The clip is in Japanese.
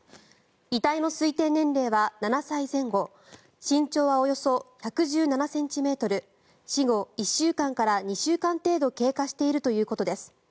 遺体の推定年齢は７歳前後身長はおよそ１１７ｃｍ死後１週間から２週間程度経過しているということです。